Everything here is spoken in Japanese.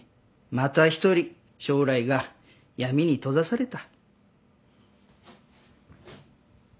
また一人将来が闇に閉ざされた。